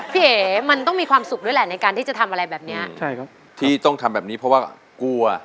เอ๋มันต้องมีความสุขด้วยแหละในการที่จะทำอะไรแบบเนี้ยใช่ครับที่ต้องทำแบบนี้เพราะว่ากลัว